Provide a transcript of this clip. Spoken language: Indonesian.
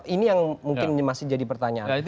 ini yang mungkin masih jadi pertanyaan